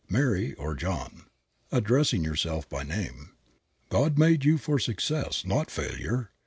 Mary (or John)," addressing yourself by name, "God made you for success, not failure.